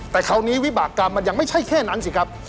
แต่คราวนี้วิบากรรมมันยังไม่ใช่แค่นั้นสิครับ